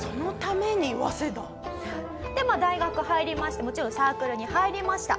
大学入りましてもちろんサークルに入りました。